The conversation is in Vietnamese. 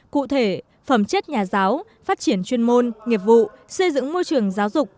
cụ thể phẩm chất nhà giáo phát triển chuyên môn nghiệp vụ xây dựng môi trường giáo dục